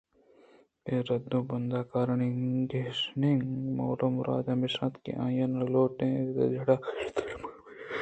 اے رد ءُ بند ءَ کارانی گیشّینگ ءِ مول ءُمراد ہمیش اَت کہ آئیءَ نہ لوٹ اِتگ کہ جیڑہ گیشتر مان بہ گیشّیتءُٹیچر دگہ بلاہیں دپے پچ مہ کنت